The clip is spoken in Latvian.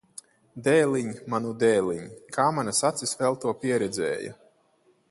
Dēliņ! Manu dēliņ! Kā manas acis vēl to pieredzēja!